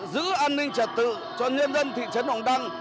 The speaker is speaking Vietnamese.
giữ an ninh trật tự cho nhân dân thị trấn đồng đăng